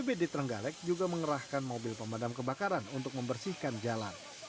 bd trenggalek juga mengerahkan mobil pemadam kebakaran untuk membersihkan jalan